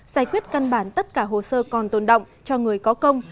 giải quyết căn bản tất cả hồ sơ còn tồn động cho người có công